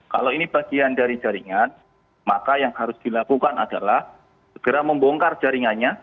kalau ini bagian dari jaringan maka yang harus dilakukan adalah segera membongkar jaringannya